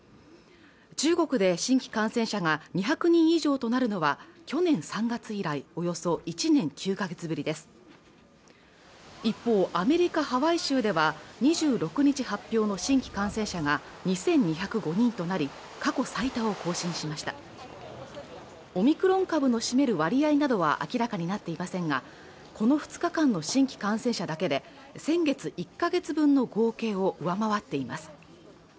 中国で新規感染者が２００人以上となるのは去年３月以来およそ１年９ヶ月ぶりです一方アメリカ・ハワイ州では２６日発表の新規感染者が２２０５人となり過去最多を更新しましたオミクロン株の占める割合などは明らかになっていませんがこの２日間の新規感染者だけで先月１か月分の合計を上回っています